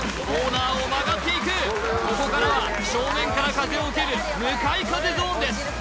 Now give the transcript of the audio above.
コーナーを曲がっていくここからは正面から風を受ける向かい風ゾーンです